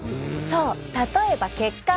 そう例えば血管。